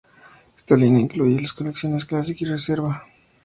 Esta línea incluye las colecciones Classic y Reserva.